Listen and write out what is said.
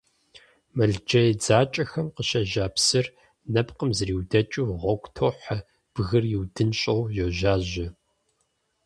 Мыл джей дзакӀэхэм къыщежьа псыр, нэпкъым зриудэкӀыу, гъуэгу тохьэ, бгыр иудыныщӀэу йожажьэ.